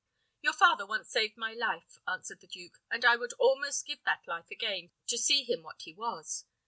"Your father once saved my life," answered the duke, "and I would almost give that life again to see him what he was.